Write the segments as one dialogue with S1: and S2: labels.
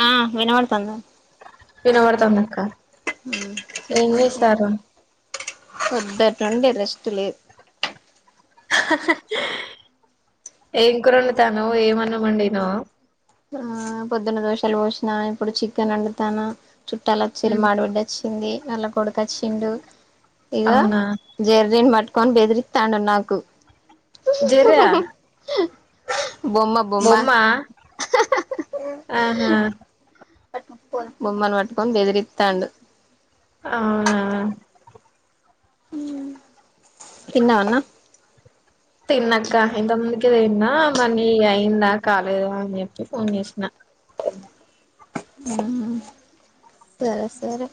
S1: ఆ వినపడుతోందా
S2: వినపడుతోందిఅక్క
S1: ఉమ్ చెప్పు పెద్దట్డి రెస్ట్లు
S2: ఏంకరు వండుతాను ఏమన్నామండి ను్వు
S1: ఆ పొద్దున్న దోషాలు పోసిన ఇప్పుడు చికెన్ వండుతాను చుట్టాల
S2: ఉమ్
S1: చిరుమాడ వడ్డొచ్చింది అళ్లా కొడుకచ్చిండు ఇగా
S2: అవునా
S1: జర్దీన్ మట్ న్ బెదిరి తాండ నాకు
S2: జర
S1: బొమ్మ బొమ్మ
S2: ఆహా
S1: బొమ్మను పట్టుకొని బెదిరిత్తాం
S2: అవునావు
S1: పన్న అన్నా
S2: నాక్క ఇంతమందికి ఏదంద మనీ అయిిందా కాలేదా అని చెప్పి ఫోన్ చేసిన
S1: సరే సరే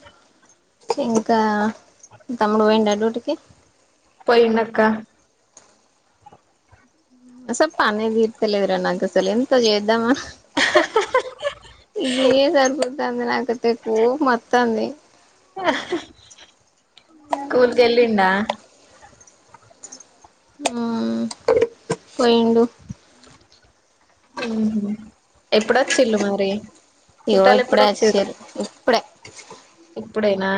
S1: ఇంకా తమ్ముడు పోయిండి అటుూటికి
S2: పోనక్క
S1: సొప్ప అనేదిర్తలవరా నాకుస ఎంత చేద్దమ్మా ఇదిదర్బద్ మంది నాకు తెకువ మత్తంది
S2: స్కూల్కి వెళ్ళిడా
S1: పోయిడు
S2: ఎప్పుడొచ్చిళ్ళు మరి
S1: ఇగో
S2: చుట్టాలు
S1: ఇప్పుడే
S2: ఎప్పుడుచ్చారు
S1: వచ్చిరు ఇప్పుడే
S2: ఇప్పుడైనా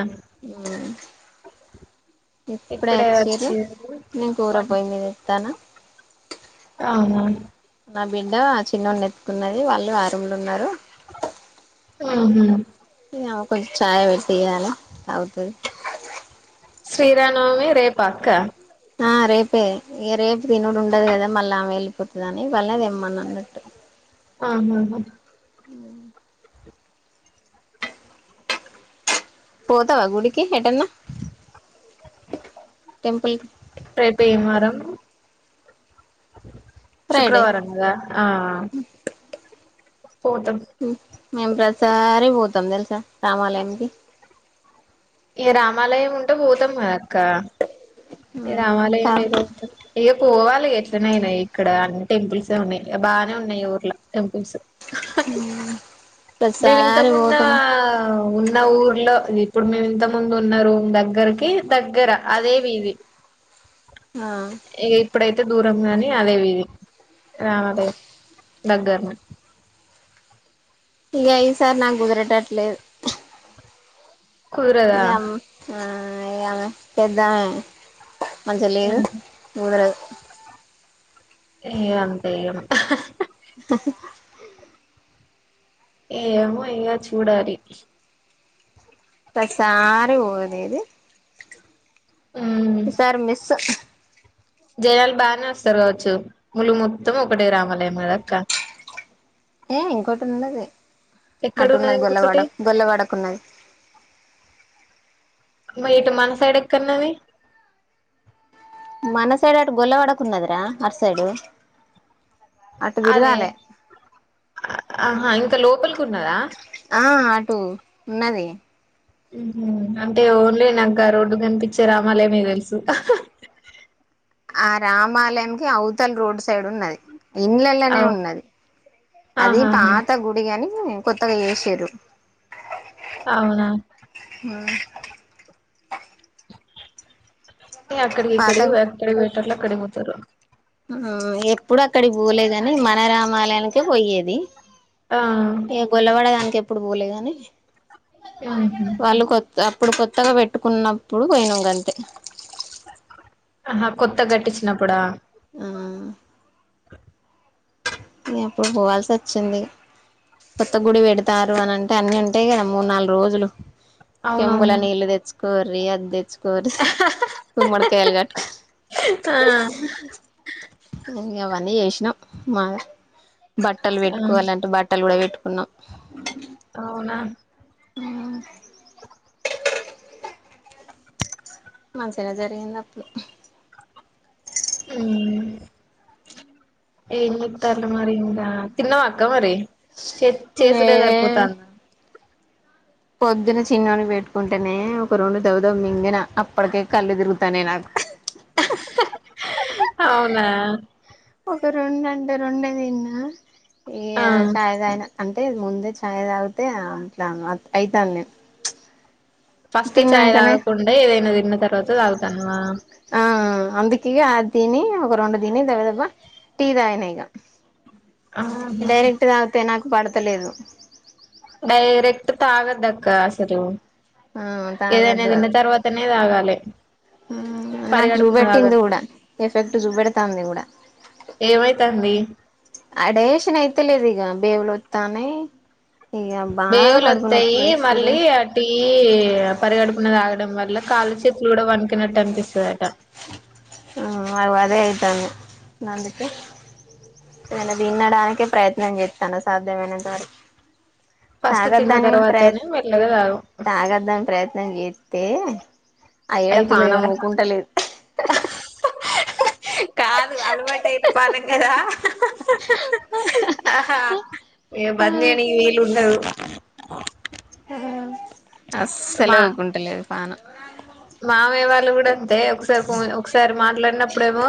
S1: ఇప్పుడే అచ్చీరు నేను కూ కూర పోయిందిది ఎత్తానా
S2: అవునా
S1: నా బిడ్డ ఆ చిన్నొన్ని ఎత్తుకున్నది వాళ్ళు ఆ రూముల ఉన్నారు
S2: ఆహా
S1: ఇగ ఆమెకు కొం చాయ వెట్టియాలే తాగుతది
S2: శ్రీరామనవమి రేపా అక్క
S1: ఆ రేపే ఇగ రేపు తినుడు ఉండది కదా మళ్ళా ఆమె ఏళ్ళిపోతదని ఇవల్నే తేమన్న అన్నట్టు
S2: ఆహాహా
S1: ఉ పోతావా గుడికి ఎటన్నా టెంపుల్ కి
S2: రేపు ఏం వారం
S1: ఫ్రైడే
S2: శుక్రవారం గాద ఆ పోతం
S1: మేము ప్రతిసారి పోతాం తెలుసా రామాలయానికి
S2: ఇగ రామాలయం ఉంటే పోతాం కదా అక్క ఇగ
S1: మ్మ్ కా
S2: రామాలయం లేకపోతే పోవాలి ఎట్లనేయినా ఇక్కడ అన్ని టెంపుల్స్ ఉన్నాయి ఇగ బాగానే ఉన్నాయి ఈ ఊర్ల టెంపుల్స్
S1: ఉ
S2: మేము ఇంతమున్న ఉన్న ఊర్లో ఇప్పుడు మేము ఇంత ముందు ఉన్న రూమ్ దగ్గరకి దగ్గర అదే వీది
S1: ఆ
S2: ఇగ ఇప్పుడైతే దూరం గాని అదే వీది రామాలయం దగ్గరనే
S1: ఇగ ఈ సారి నాకు కుదిరెటట్లేదు
S2: కుదరదా
S1: ఆ ఇగ ఆమె పెద్దామె మంచిగ లేదు కుదరదు
S2: ఇగ అంతే ఏం ఏమో ఇగా చూడాలి
S1: ప్రతిసారి వోనేది
S2: ఉమ్
S1: ఇ సారి మిస్సూ
S2: జనాలు బానే వస్తారు కావచ్చు ములుగు మొత్తం ఒక్కటే రామాలయం గద అక్క
S1: టున్నది అటు
S2: ఎక్కడున్నది
S1: ఉన్నది
S2: ఇంకొకటి
S1: గొల్లవాడకు గొల్లవాడకు ఉన్నది
S2: మ ఇటు మన సైడ్ ఎక్కన్నాది
S1: మన సైడ్ అటు గొల్ల వాడకు ఉన్నది రా అటు సైడు అటు
S2: అదే
S1: తిరగాలే
S2: ఆహ ఇం త లోపలికి ఉన్నద
S1: ఆ అటుూ ఉన్నది
S2: అంటే ఎవరు నాకా రోడ్డు కనిపించే రామాలేమ తెలుసు
S1: ఆ రామాలయంకి అవతల్ రోడ్ సైడ్ ఉన్నది ఇండ్లలోనే
S2: అవు
S1: ఉన్నది అది
S2: ఆహాహా
S1: పాత గుడిగాని కొత్తగా చేసిర్రు
S2: అవునా
S1: ఆ
S2: అక్కడి ఇక్కడ అక్కడ వె లా కడిపోతారు
S1: ఎప్పుడు అక్కడికి పోలే కాని మన రామాలయానికి పోయేది
S2: ఆ
S1: ఏ గలావాడ దనిక అప్పుడు పోలే కానీ
S2: ఉహు
S1: వాళ్ళు కొత్త ఇప్పుడు కొత్తగా పెట్టుకున్నప్పుడు పోయినంగంతే
S2: ఆహా కొత్త కట్టించినప్పుడా
S1: ఆ ఎప్పుడు పోవాల్సి వచ్చింది కొత్త గుడి పెడతారు అని అంటే అన్ని ఉంటాయి కదా మూడు నాలుగు రోజులు సొంబుల్లో
S2: అవునవును
S1: నీళ్ళు తెచ్చు కరి అద్ద కట్టుకో
S2: ఆ
S1: ఇ అవన్నీ చేసినాం మ బట్టలు
S2: ఆ
S1: పెట్టుకోవాలంటే బట్టలు కూడా పెట్టు న్నా
S2: అవునా
S1: ఆ మంచిగా జరిగింది అప్పుడు
S2: ఏం చేతలు మరి ఇంకా తిన్నరా అక్క మరి చే చేసుడే
S1: ఏ
S2: సరిపోతంది
S1: పొద్దున చిన్నని పెట్టుకుంటేనే ఒక రెండు దవదవు మింగన అప్పటికే కళ్ళు తిరుగుతానే నాకు
S2: అవునా
S1: ఒక రెండంటే రెండే తిన్న ఈ
S2: ఆ
S1: చాయ్ తగిన అంటే ముందే చాయ్ తాగితే అట్లా అవుతాది నేను
S2: ఫస్ట్ చాయ్
S1: తిన్నాకనే
S2: తాగకుండా ఏదైనా తిన్న తర్వాత తాగుతనవ
S1: ఆ అందుకే ఆ అది తిని ఒక రెండు దిని దబ దబ టీ తాగిన ఇక
S2: ఆహా
S1: డైరెక్ట్గా తినక బడతలేదు
S2: డైరెక్ట్ తాగొద్దక్క సర
S1: ఆ తాగద్దు అది
S2: తాగాలే
S1: ఉమ్ నాకు
S2: పరిగడుపున
S1: బెట్టింది
S2: తాగద్దు
S1: కూడా ఎఫెక్ట్ చూప్పెడ్తా తాందికూడా
S2: ఏమైతాంది
S1: అడేషన్ అయితలేదీ ఇగ బేవులతోనేే
S2: బేవులోస్తాయి
S1: లేస్తుడు
S2: మళ్ళీ అటి పరిగడు ప్పున తాగడం వల్ల కాళ్ళు చేతులు కూడా వినికినట్టు అనిపిస్తుందిట
S1: మకు అదే అవుతాను అందుకే నను తన్నడానికే ప్రయత్నం చేస్తాను సాధ్యమైన అంత వరకి
S2: ఫస్ట్ తిన్న
S1: తాగద్దని ప్రయత్
S2: తర్వాతనే మెల్లగా తాగు
S1: తాగద్దని ప్రయత్నం చే తే అయ్యడ పానం
S2: అయితలేదా
S1: ఊకుంటలేదు
S2: కాదు అలవాటు అయిన పానం కదా ఆహా ఏ బందేనికి వీలు ఉండదు
S1: అస్సలు
S2: మా
S1: ఊర్కుంటలేదు పాను
S2: మామయ్య వాళ్ళు కూడా అంతే ఒకసారి ఒకసారి మాట్లాడినప్పుడేమో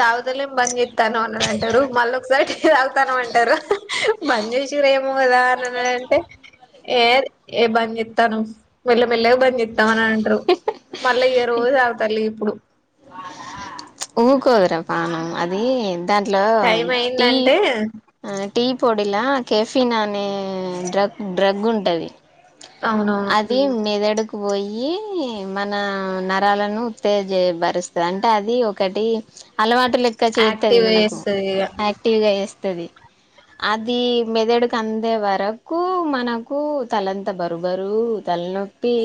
S2: తాగుతలే పని చెస్తాను అని అంటారు మళ్ళీ ఒకసారి తాగుతాను అంటారు బంద చేసిారు ఏమో కదా అని అంటే ఏ ఏ బంద్ చెప్తను మెల్ల మెల్లగా బంద్ తమనా అంట్రు మళ్ళ ఏ రోజు అవుతలి ఇప్పుడు
S1: ఊకోరా పాణం అద దాంట్లో
S2: టైం
S1: టీ
S2: అయిందంటే
S1: టీ పొడిలా కెఫీిన్ అనే డ్రగ్ డ్రగ్ ఉంటది
S2: అవునవును
S1: అది మెదడు పోయి మన నరాలను ఉత్తేజ బరుస్తుంది అంటే అది ఒకటి అలవాటు లెక్క చేత్తది
S2: యాక్టివ్
S1: మనకు
S2: చేస్తది ఇగ
S1: యాక్టివ్ గా ఉంటదిఅది మెదడుకి అందే వరకు మనకు తలంత బరు బరువు తలనొప్పి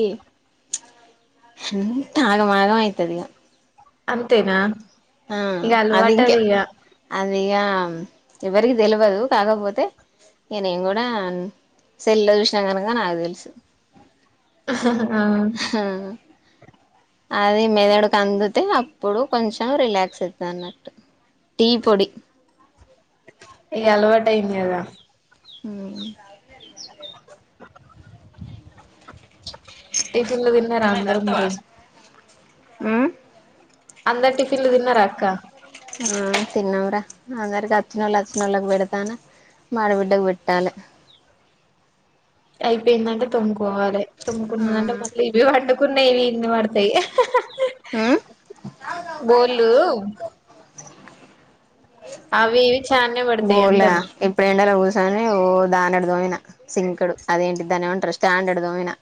S1: అంతత ఆగం ఆగం అయితది ఇగా
S2: అంతేన ఇక అలవాటు అదిక
S1: నీక ఎవరికి తెలవదు కాకపోతే ఇ నేను కూడా సెల్ లో చూసినా కనుక నాకు తెలుసు
S2: అహ హ ఆయ్
S1: అది మెదడుక్ అందితే అప్పుడు కొంచెం రిలాక్స్ అయితుంది అన్నట్టు టీ పొడి
S2: ఇక అలవాట్యింది అదా
S1: అ
S2: టిఫిన్లు తిన్నారా అందరు మరి
S1: ఆ
S2: అందా టిఫిన్లు తిన్న రాక్క
S1: ఆ తిన్నావరా అందరికి వచ్చినోళ్ళు వచ్చినోళ్ళకి పెడతాను మాడబిడ్డకు పెట్టాలి
S2: అయిపోయిందంటే తొంగ పోవాల తుముకుంట
S1: మ్మ్
S2: మల్ ఇవి కు నైవి ఇన్ మతాయి
S1: మ్మ్
S2: బోలు అవి ఇవి చానే పడతాయి అంటమ్మా
S1: ని దాని అడదోమనా సింకుడు అదేంటి దాని ఏమంటారు స్టాండ్ అడదం పోయినా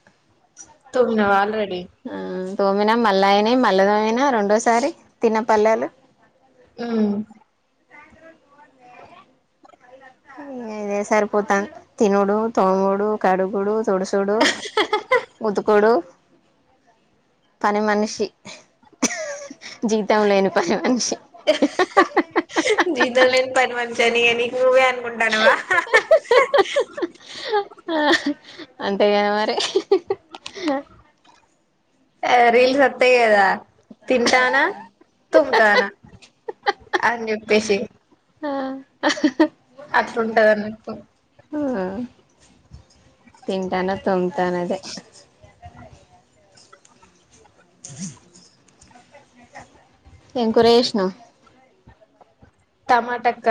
S2: తుమ్ నవవాల అే
S1: దోమిన మల్లా అయినా మల్ల దోమిన రెండోసారి తిన్నపల్లలు
S2: అ
S1: ఇదే సరిపోత తినోడు తోంగోడు కడుగుడు తోడుసోడు ముదుకోడు పని మనిషి జీతం లేని పని మనిషి
S2: పనవంచని ఎని ంటనువా
S1: అంతేగా మరి
S2: రీల్స్ అత్తయి అదా తింటానా తుమ్తానా అని చెప్పేసి
S1: ఆ
S2: అట్లుంటదన్న
S1: తింటాను తొంగతానదే ఎంకురే విష్టణం
S2: టమాటక్క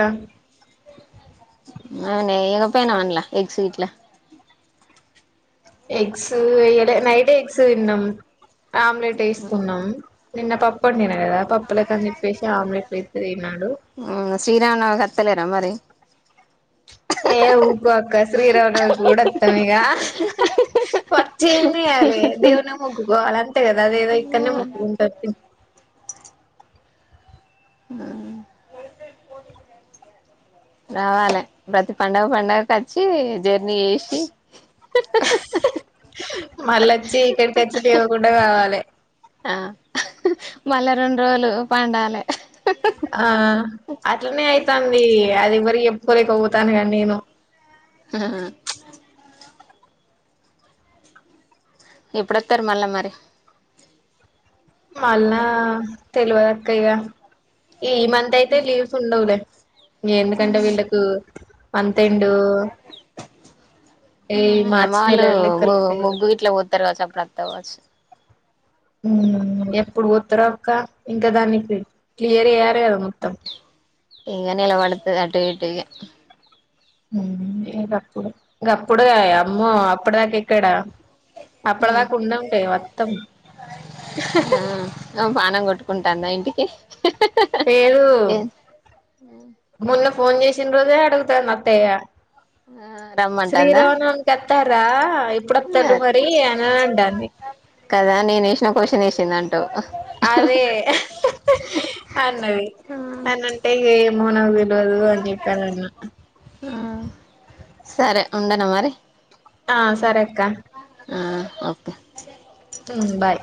S1: అవున ఎక పనా వనలా ఎగస్ వీట్ల
S2: ఎగ్స్ ఎడ నైట్ ఎగ్స్ విన్నాం ఆమ్లెట్ వేసుకున్నాం నిన్న పప్పుండి నే లేదా పప్పల కని ఇప్పేసి ఆమ్లీట్యితే తినడు
S1: శ్రీరామ కతలేరా మరి
S2: ఏ ఊకు అక్క శ్రీరావుణ కూడా అత్తాంగ వచ్చం చేయాలి దేవునే మొగ్గుకోవాలి అంతే కదా అదేదో ఇక్కడనే మొగ్కుకుంటారు తి
S1: రావాలి ప్రతి పడుగ పడుగకు వచ్చి జర్నీ వేసి
S2: మళ్ళ వచ్చి ఇక్కడికిచ్చి లేవ్వకుండా కావాలే.
S1: ఆహ్ మల్ల రెండ్రోలు పండాలే
S2: ఆహ్ అట్లనే అయితంది. ఇగ అదేవరి ఎప్పులే కొతానుగా నేను.
S1: హహ ఎప్పుడొతరు మళ్ళా మరి.
S2: మల్లా తెలవదక్కయిగా. ఈ మంత్ అయితే లీవ్స్ ఉండవులే. ఎందుకంటే వీళ్లకు మాంథెండు
S1: ఆహ్ యమ వాళ్ళు
S2: నెల లెక్కలు
S1: ము
S2: ఉంటాయి కదా
S1: ముగ్గు గిట్లా పోతారు కావచ్చు. అప్పుడు అత్తవ్ కావ్వచ్చు?
S2: ఉహ్ ఎప్పుడు పోత్తరో అక్క. ఇంకా దాన్ని క్లీ క్లియర్ ఏయ్యారే కదా మొత్తం.
S1: ఇంగ నేల పడుతది. అటు ఇటు గా
S2: ఉహ్ ఇగప్పుడే. గప్పుడే అమ్మో! అప్పుడు దాకా ఇక్కడా? అప్పడ్
S1: ఉమ్
S2: దాకా ఉండంటే వత్తాం.
S1: కుంటాన్ద ఇంటికి
S2: పేరు.
S1: ఏ
S2: ముల్ ఫోన్ చేసిండ్రోజె అడుగుతంది. అత్తేయ్య
S1: ఆ రమ్మంటాందా
S2: శ్రీరామనవకి వత్తరా? ఇప్పుడుొత్తరు మరి అని అంటంది.
S1: తినండ్
S2: అదే అన్నవి అన్నీఅంటే. ఇగే ఏమో నాగు తెల్ ల్వదు అనీ చెేప్పారన్నా.
S1: ఆహ్ సరే ఉండనా మరి.
S2: ఆ సరే అక్క
S1: ఆహ్ ఓకే
S2: ఉహ్మ్ బాయ్